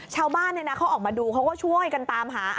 ชาวบ้านเขาออกมาดูเขาก็ช่วยกันตามหา